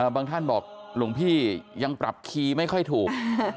บางท่านบอกหลวงพี่ยังปรับคีย์ไม่ค่อยถูก